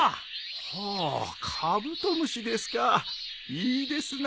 ああカブトムシですかいいですな。